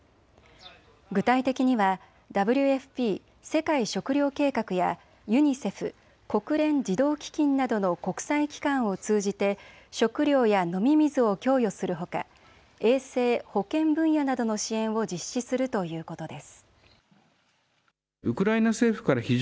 具体的にはＷＦＰ・世界食糧計画やＵＮＩＣＥＦ・国連児童基金などの国際機関を通じて食料や飲み水を供与するほか衛生・保健分野などの支援を実施するということです。